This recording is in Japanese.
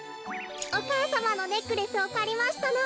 お母さまのネックレスをかりましたの。